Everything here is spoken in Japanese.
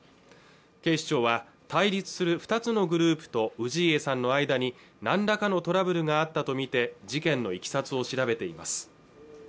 警視庁は対立する２つのグループと氏家さんの間になんらかのトラブルがあったと見て事件のいきさつを調べています